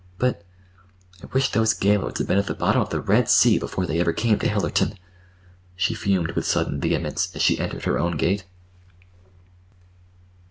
But—I wish those Gaylords had been at the bottom of the Red Sea before they ever came to Hillerton," she fumed with sudden vehemence as she entered her own gate.